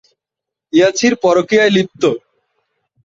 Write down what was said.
গীত রচনা করেছেন মনিরুজ্জামান মনির, জাহানারা ভূঁইয়া, জাকির হোসেন রাজু।